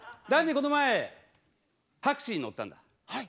この前タクシーに乗ったんだ。